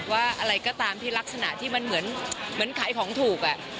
ว่าอะไรก็ตามที่ลักษณะที่มันเหมือนขายของถูก